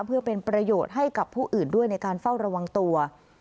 เพื่อเป็นประโยชน์ให้กับผู้อื่นด้วยในการเฝ้าระวังตัว